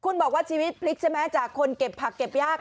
คุณบอกว่าชีวิตพลิกใช่ไหมจากคนเก็บผักเก็บยาก